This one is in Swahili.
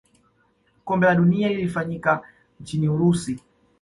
kombe la dunia lilifanyika nchini urusi